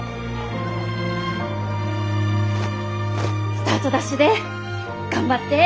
スタートダッシュで頑張って。